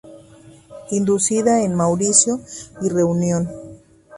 Introducida en Mauricio y Reunión.